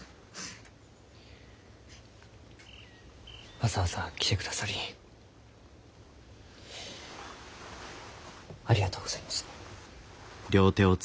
わざわざ来てくださりありがとうございます。